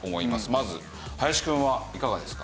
まず林くんはいかがですか？